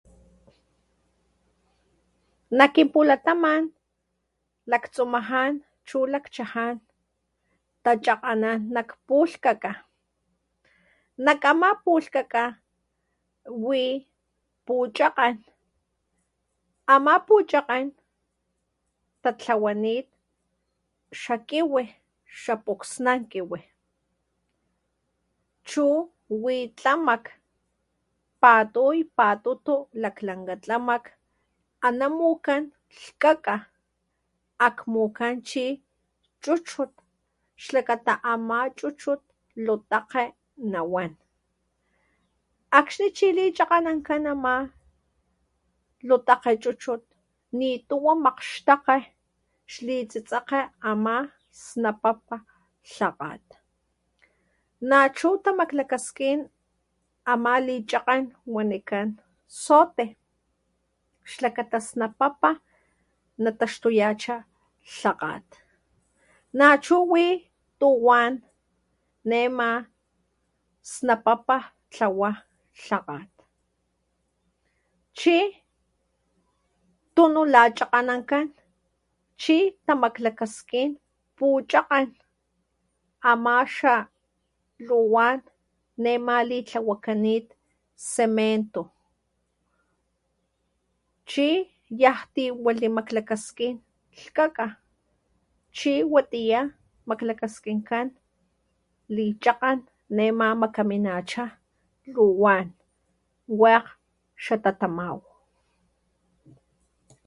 Nak ki pulamat lakxumajan chu lakchajan ta chakganan nak pulkaka nak ama pulkaka wi puchagan. ama pucchagan ta tlawuanit xa kiwi xa puxknankiwi chu wi tlamak patuy, patutu lak lakga tlamak ana mucan lkgaga akmukan chi chuchut xlakata ama chuchhut loteke nawan akxni chi lichakanankan ama loteke chuchut nituwua makxteke xli tsetseke ama snapapa lhakat nachu tamaklakaskin ama lichahkan wanican sote shlakata snapapa natuxhtayacha lhagat nachu wi luwan nema snapapa tlawa lhagat. hxi tuno la chakganankan chi tamaklakaskin puchagkan ama xa luwan nema litlahuakanit cemento, chi yaj tiwelikmakgaskin chi watiya maklahgaskinkan lichahgan nema mahgaminacha luwan wak hxatatamao